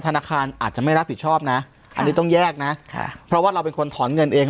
อาจจะไม่รับผิดชอบนะอันนี้ต้องแยกนะค่ะเพราะว่าเราเป็นคนถอนเงินเอง